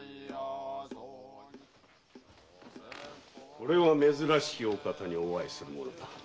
これは珍しきお方にお会いするものだ。